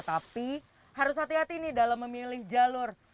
tapi harus hati hati nih dalam memilih jalur